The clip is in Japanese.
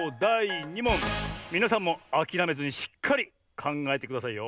みなさんもあきらめずにしっかりかんがえてくださいよ。